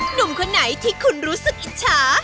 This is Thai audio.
หนุ่มคนไหนที่คุณรู้สึกอิจฉา